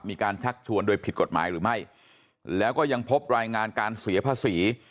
ชักชวนโดยผิดกฎหมายหรือไม่แล้วก็ยังพบรายงานการเสียภาษี